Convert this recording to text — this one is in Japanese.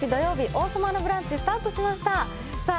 「王様のブランチ」スタートしましたさあ